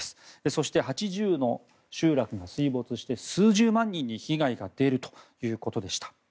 そして８０の集落が水没して数十万人に被害が出るということでした。